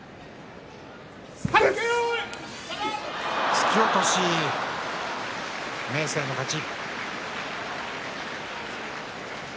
突き落とし、明生の勝ち。